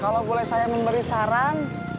kalau boleh saya memberi saran